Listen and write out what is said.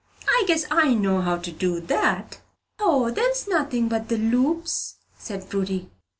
"I guess I know how to do that!" "Poh, them's nothing but the loops," said Prudy.